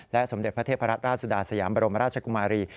สมเด็จพระเทพรัตนราชสุดาสยามบรมราชกุมารี